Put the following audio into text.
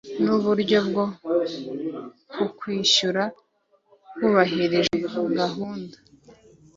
n uburyo bwo kuwishyura hubahirijwe gahunda